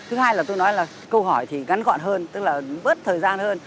thứ hai là tôi nói là câu hỏi thì ngắn gọn hơn tức là bớt thời gian hơn